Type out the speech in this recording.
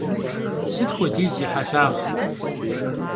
Sıt xuediz yi helhağ?